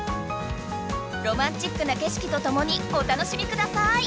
ロマンチックな景色とともにお楽しみください。